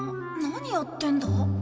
何やってるんだ？